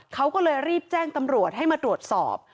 เขาก็เลยรีบแจ้งตำรวจให้มาตรวจสอบ